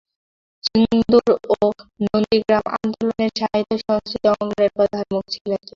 সিঙ্গুর ও নন্দীগ্রাম আন্দোলনের সাহিত্য সংস্কৃতি অঙ্গনের প্রধান মুখ ছিলেন তিনি।